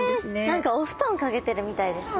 何かお布団掛けてるみたいですね。